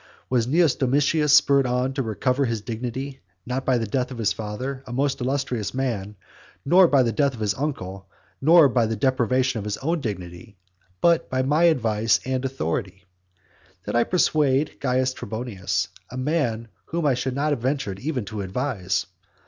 Was Cnaeus Domitius spurred on to seek to recover his dignity, not by the death of his father, a most illustrious man, nor by the death of his uncle, nor by the deprivation of his own dignity, but by my advice and authority? Did I persuade Caius Trebonius? a man whom I should not have ventured even to advise.